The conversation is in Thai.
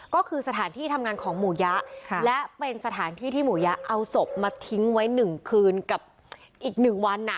ก็คือสถานที่ทำงานของหมู่ยะและเป็นสถานที่ที่หมู่ยะเอาศพมาทิ้งไว้๑คืนกับอีกหนึ่งวัน